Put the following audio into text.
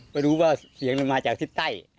ไม่รู้ว่าเสียงมันมาจากทิศใต้